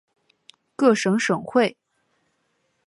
各省省会。